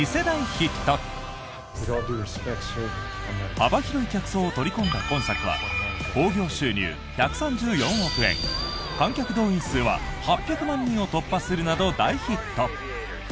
幅広い客層を取り込んだ今作は興行収入１３４億円観客動員数は８００万人を突破するなど大ヒット。